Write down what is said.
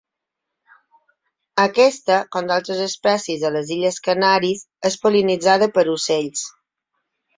Aquesta, com d'altres espècies a les Illes Canàries, és pol·linitzada per ocells.